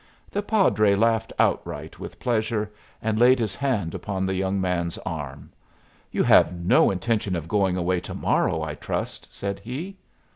The padre laughed outright with pleasure, and laid his hand upon the young man's arm. "You have no intention of going away tomorrow, I trust?" said he.